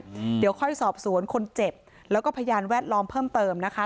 อืมเดี๋ยวค่อยสอบสวนคนเจ็บแล้วก็พยานแวดล้อมเพิ่มเติมนะคะ